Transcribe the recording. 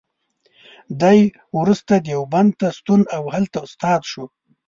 دی وروسته دیوبند ته ستون او هلته استاد شو.